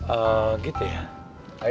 ehm gitu ya